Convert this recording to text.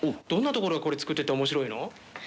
どんなところがこれ作ってて面白いの？